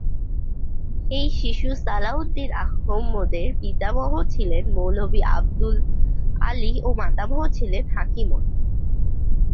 এই শিশু সালাহ উদ্দিন আহমদের পিতামহ ছিলেন মৌলভী আবদুল আলী ও মাতামহ ছিলেন হাকিমন।